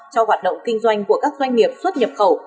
cho hoạt động kinh doanh của các doanh nghiệp xuất nhập khẩu